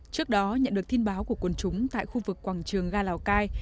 trước đó nhận được tin báo của quân chúng tại khu vực quảng trường ga lào cai